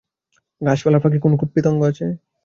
গাছপালার ফাঁকে কোনো কীটপতঙ্গ আছে কি?